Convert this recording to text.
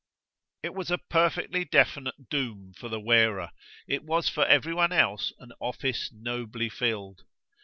It was a perfectly definite doom for the wearer it was for every one else an office nobly filled.